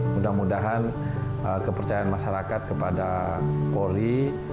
mudah mudahan kepercayaan masyarakat kepada polri